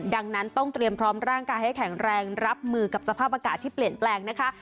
ดังนั้นต้องเตรียมพร้อมร่างกายให้แข็งแรงรับมือกับสภาพอากาศที่เปลี่ยนแปลงนะคะ